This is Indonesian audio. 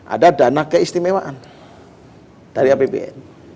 ada dana keistimewaan dari apbn